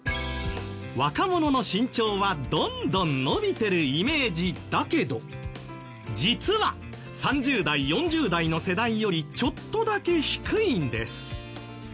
若者の身長はどんどん伸びてるイメージだけど実は３０代４０代の世代よりちょっとだけ低いんです。